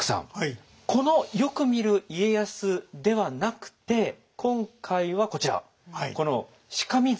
このよく見る家康ではなくて今回はこちらこの「顰像」。